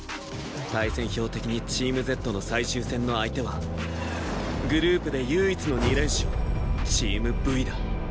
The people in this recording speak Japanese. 対戦表的にチームＺの最終戦の相手はグループで唯一の２連勝チームＶだ。